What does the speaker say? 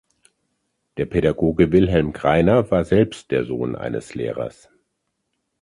Der Pädagoge Wilhelm Greiner war selbst der Sohn eines Lehrers.